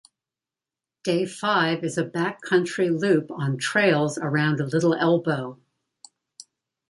Day five is a backcountry loop on trails around Little Elbow.